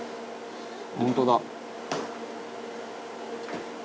「本当だ」